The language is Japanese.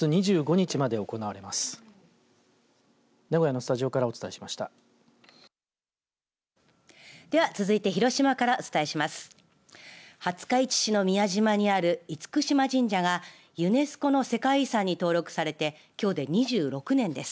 廿日市市の宮島にある厳島神社がユネスコの世界遺産に登録されてきょうで２６年です。